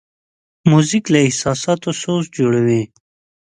موزیک له احساساتو سوز جوړوي.